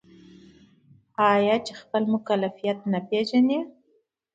آیا چې خپل مکلفیت نه پیژني؟